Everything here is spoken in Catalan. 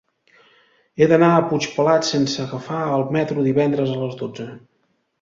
He d'anar a Puigpelat sense agafar el metro divendres a les dotze.